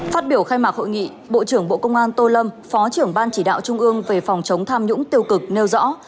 phát biểu khai mạc hội nghị bộ trưởng bộ công an tô lâm phó trưởng ban chỉ đạo trung ương về phòng chống tham nhũng tiêu cực nêu rõ